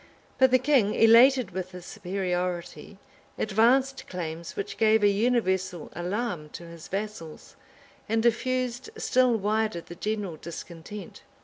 But the king, elated with his superiority, advanced claims which gave a universal alarm to his vassals, and diffused still wider the general discontent.